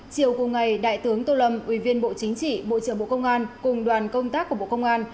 chiều cùng ngày đại tướng tô lâm ủy viên bộ chính trị bộ trưởng bộ công an cùng đoàn công tác của bộ công an